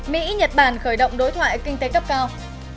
mỹ nhật bản khởi động đối thoại kinh tế cấp cao